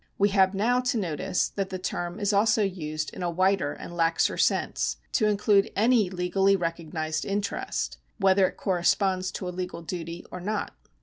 We have now to notice that the term is also used in a wider and laxer sense, to include any legally recognised interest, whether it corresponds to a legal duty or not.